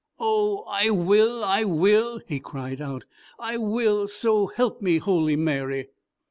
"Oh, I will, I will!" he cried out. "I will, so help me Holy Mary!"